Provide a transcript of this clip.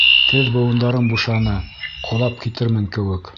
Теҙ быуындарым бушаны, ҡолап китермен кеүек.